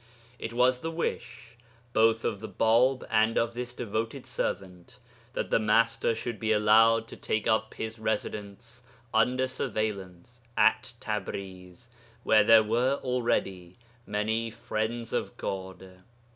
It was the wish, both of the Bāb and of this devoted servant, that the Master should be allowed to take up his residence (under surveillance) at Tabriz, where there were already many Friends of God.